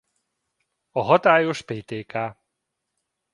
A hatályos Ptk.